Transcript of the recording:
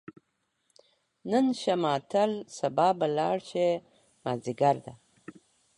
نن شه ماتل سبا به لاړ شې، مازدیګر ده